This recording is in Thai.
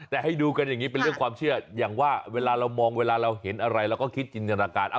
แต่ให้ดูกันอย่างนี้เป็นเรื่องความเชื่ออย่างว่าเวลาเรามองเวลาเราเห็นอะไรเราก็คิดจินตนาการ